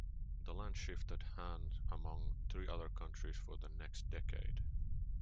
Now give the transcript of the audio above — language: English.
The land shifted hands among three other counties for the next decade.